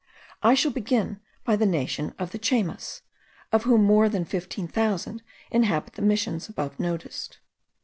I shall begin by the nation of the Chaymas, of whom more than fifteen thousand inhabit the Missions above noticed.